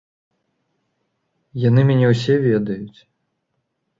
Яны мяне ўсе ведаюць.